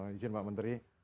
izin mbak menteri